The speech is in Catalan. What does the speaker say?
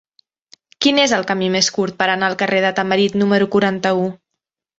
Quin és el camí més curt per anar al carrer de Tamarit número quaranta-u?